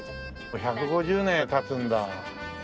もう１５０年経つんだ。